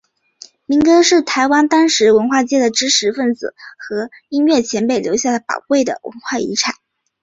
民歌是台湾当时文化界的知识份子和音乐前辈留下的宝贵的文化遗产。